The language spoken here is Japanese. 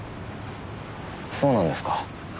そうなんですか。